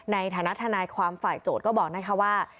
ในฐานะความฝ่ายโจทย์ก็บอกนะครับว่า